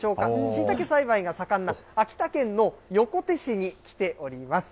しいたけ栽培が盛んな秋田県の横手市に来ております。